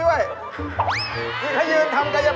ถ้ายืนทำกัญภาพบำบัดรออยู่นายแล้ว